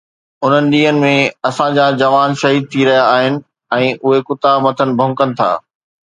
انهن ڏينهن ۾ اسان جا جوان شهيد ٿي رهيا آهن ۽ اهي ڪتا مٿن ڀونڪن ٿا